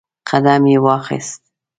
قدم یې واخیست